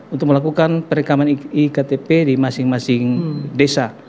untuk melakukan perekaman ektp di masing masing desa